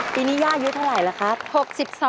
ปีนี้ย่าอายุเท่าไหร่ล่ะครับ